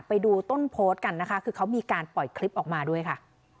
ไปดูต้นโพสต์กันนะคะคือเขามีการปล่อยคลิปออกมาด้วยค่ะ